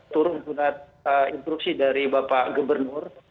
turun surat instruksi dari bapak gubernur